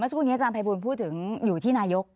เมื่อสักครู่ในการใจการไฟฟูลพูดถึงอยู่ที่นายก